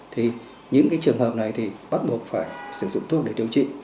thì những trường hợp này thì bắt buộc phải sử dụng thuốc để điều trị